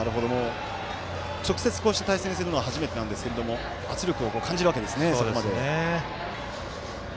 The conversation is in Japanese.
直接こうして対戦するのは初めてなんですけれども圧力を感じるわけですね。